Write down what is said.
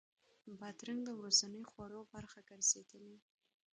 بادرنګ د ورځني خوړو برخه ګرځېدلې.